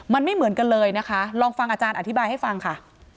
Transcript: มันไม่เหมือนกันเลยนะคะลองฟังอาจารย์อธิบายให้ฟังค่ะ